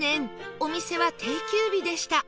お店は定休日でした